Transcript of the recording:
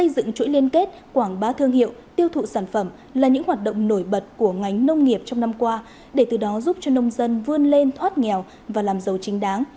dựng chuỗi liên kết quảng bá thương hiệu tiêu thụ sản phẩm là những hoạt động nổi bật của ngành nông nghiệp trong năm qua để từ đó giúp cho nông dân vươn lên thoát nghèo và làm giàu chính đáng